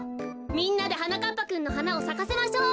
みんなではなかっぱくんのはなをさかせましょう！